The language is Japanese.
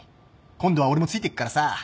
今度は俺もついてくからさ。